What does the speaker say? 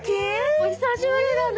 お久しぶりだね。